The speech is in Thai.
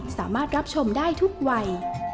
สามารถรับชมได้ทุกวัย